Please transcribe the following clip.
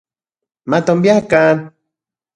Matonbiakan